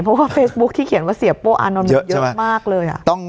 เพราะว่าเฟซบุ๊คที่เขียนว่าเสียโป้อานนท์เยอะมากเลย